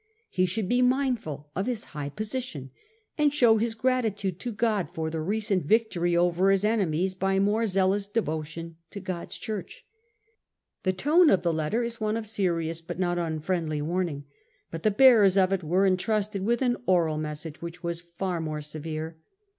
He should be mindful of his high position, and show his gratitude to God for the recent victory over his enemies by more zealous devotion to God's Church. The tone of the letter is one of serious yet not unfriendly warning, but the bearers of it were entrusted with an oral message which was far more severe.